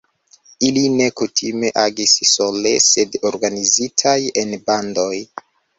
Ili ne kutime agis sole, sed organizitaj en bandoj.